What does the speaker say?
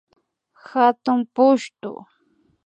Hatuy pushtu